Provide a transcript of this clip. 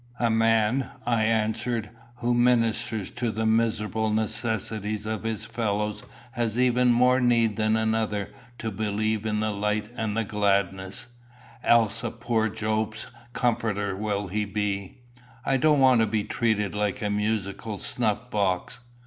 "A man," I answered, "who ministers to the miserable necessities of his fellows has even more need than another to believe in the light and the gladness else a poor Job's comforter will he be. I don't want to be treated like a musical snuff box."